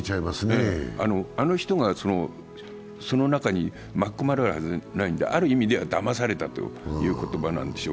あの人がその中に巻き込まれるはずないので、ある意味ではだまされたという言葉なんでしょう。